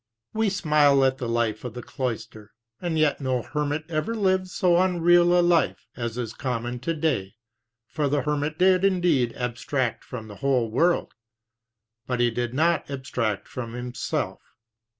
"We smile at the life of the cloister, and yet no hermit ever lived so unreal a life as is common today, for the hermit did indeed abstract from the whole world, but he did not abstract from himself.